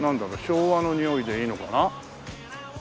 昭和のにおいでいいのかな？